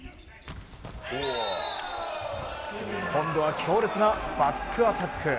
今度は強烈なバックアタック。